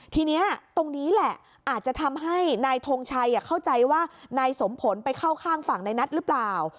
ทีนี้ตรงนี้แหละอาจจะทำให้นายทงชัยเข้าใจว่านายสมผลไปเข้าข้างฝั่งในนัทหรือเปล่า